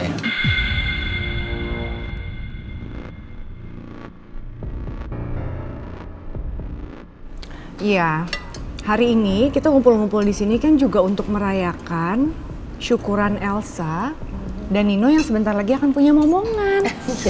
iya hari ini kita ngumpul ngumpul di sini kan juga untuk merayakan syukuran elsa dan nino yang sebentar lagi akan punya omongan